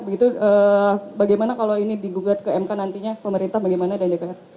begitu bagaimana kalau ini digugat ke mk nantinya pemerintah bagaimana dan dpr